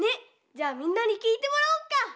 じゃあみんなにきいてもらおうか！